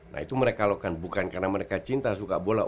nah itu mereka lakukan bukan karena mereka cinta suka bola